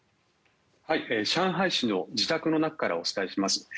上海市の自宅の中からお伝えします。